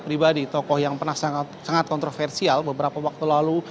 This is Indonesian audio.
pribadi tokoh yang pernah sangat kontroversial beberapa waktu lalu